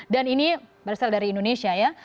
dan ini berasal dari indonesia ya